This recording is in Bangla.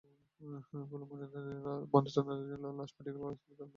পরে ময়নাতদন্তের জন্য লাশ ঢাকা মেডিকেল কলেজ হাসপাতালের মর্গে পাঠানো হয়েছে।